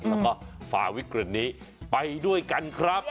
แล้วก็ฝ่าวิกฤตนี้ไปด้วยกันครับ